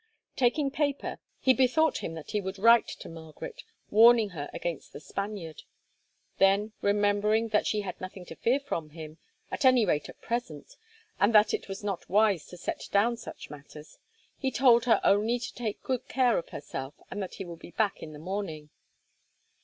Taking paper, he bethought him that he would write to Margaret, warning her against the Spaniard. Then, remembering that she had nothing to fear from him, at any rate at present, and that it was not wise to set down such matters, he told her only to take good care of herself, and that he would be back in the morning.